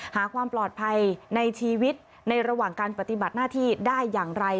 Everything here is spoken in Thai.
หาความปลอดภัยในชีวิตในระหว่างการปฏิบัติหน้าที่ได้อย่างไร